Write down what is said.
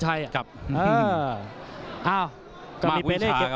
อ้าว